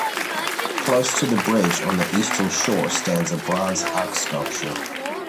Close to the bridge on the eastern shore stands a bronze ox sculpture.